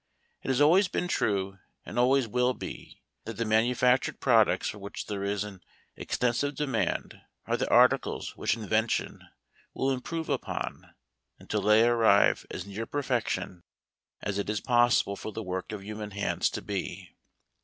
It always has been true, and always will be, that the manufactured products for which there is an extensive demand are the articles which invention will improve upon until they arrive as near perfection as it is possible for the work of human hands to be.